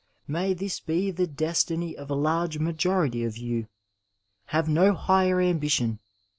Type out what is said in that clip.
May this be the destiny of a large majority of you! Have no higher ambition!